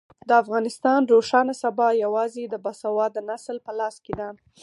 د افغانستان روښانه سبا یوازې د باسواده نسل په لاس کې ده.